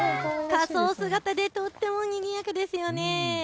仮装姿でとってもにぎやかですよね。